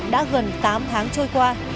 đã gần tám tháng trôi qua